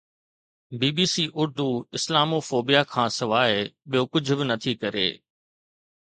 بي B C Urdu Islamophobia کان سواءِ ٻيو ڪجهه به نٿي ڪري